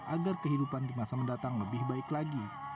agar kehidupan di masa mendatang lebih baik lagi